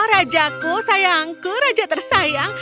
rajaku sayangku raja tersayang